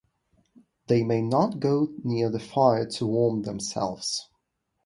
They may not go near the fire to warm themselves.